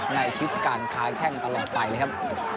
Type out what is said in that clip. ในชีวิตการค้าแข้งตลอดไปเลยครับ